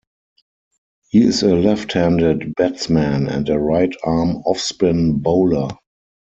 He is a left-handed batsman and a right-arm offspin bowler.